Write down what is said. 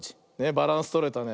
バランスとれたね。